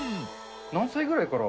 何歳ぐらいから？